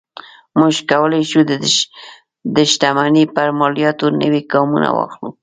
موږ کولی شو د شتمنۍ پر مالیاتو نوي ګامونه واخلو.